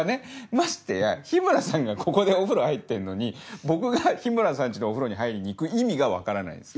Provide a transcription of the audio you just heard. ましてや日村さんがここでお風呂入ってんのに僕が日村さん家のお風呂に入りに行く意味が分からないです。